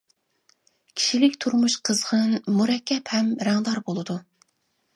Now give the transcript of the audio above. كىشىلىك تۇرمۇش قىزغىن، مۇرەككەپ ھەم رەڭدار بولىدۇ.